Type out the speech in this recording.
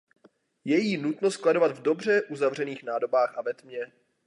Je jí nutno skladovat v dobře uzavřených nádobách a ve tmě.